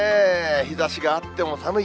日ざしがあっても寒い。